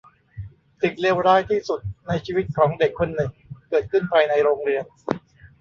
สิ่งเลวร้ายที่สุดในชีวิตของเด็กคนหนึ่งเกิดขึ้นภายในโรงเรียน